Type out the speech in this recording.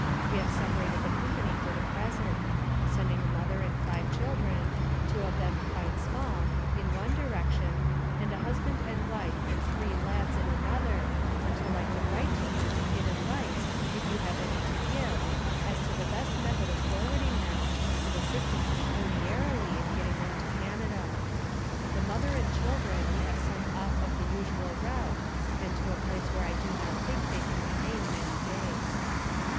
We have separated the company for the present, sending a mother and five children, two of them quite small, in one direction, and a husband and wife and three lads in another, until I could write to you and get advice if you have any to give, as to the best method of forwarding them, and assistance pecuniarily, in getting them to Canada. The mother and children we have sent off of the usual route, and to a place where I do not think they can remain many days.